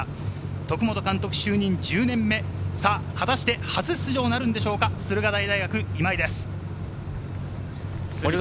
徳本監督、就任１０年目、初出場なるでしょうか、駿河台大学・今井です。